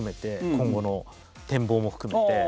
今後の展望も含めて。